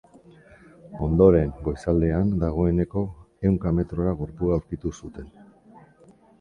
Ondoren, goizaldean dagoeneko, ehunka metrora gorpua aurkitu zuten.